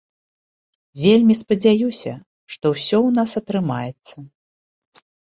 Вельмі спадзяюся, што ўсё ў нас атрымаецца.